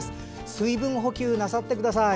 水分補給なさってください。